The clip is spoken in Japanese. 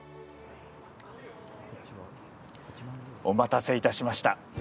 お待たせいたしました。